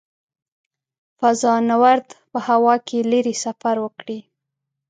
فضانورد په هوا کې لیرې سفر وکړي.